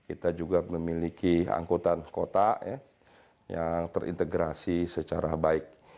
kita juga memiliki angkutan kota yang terintegrasi secara baik